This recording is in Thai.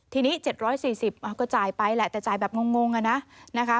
ทีนี้๗๔๐ก็จ่ายไปแหละแต่จ่ายแบบงงอะนะนะคะ